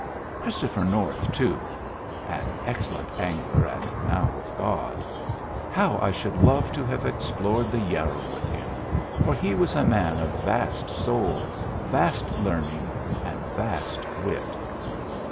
Christopher North, too ("an excellent angler and now with God"!) how I should love to have explored the Yarrow with him, for he was a man of vast soul, vast learning, and vast wit.